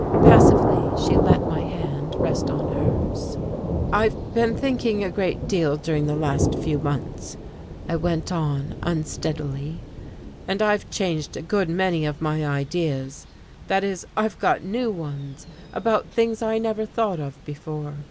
Passively, she let my hand rest on hers. "I've been thinking a great deal during the last few months," I went on unsteadily. "And I've changed a good many of my ideas that is, I've got new ones, about things I never thought of before.